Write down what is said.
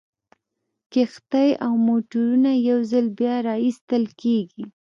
کښتۍ او موټرونه یو ځل بیا را ایستل کیږي